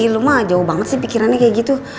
lu mah jauh banget sih pikirannya kayak gitu